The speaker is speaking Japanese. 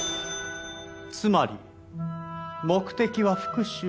つまり目的は復讐。